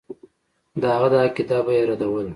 د هغه دا عقیده به یې ردوله.